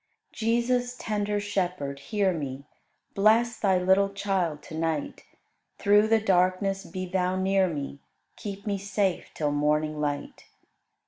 28. Jesus, tender Shepherd, hear me: Bless Thy little child to night; Through the darkness be Thou near me, Keep me safe till morning light.